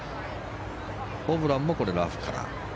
ホブランもラフから。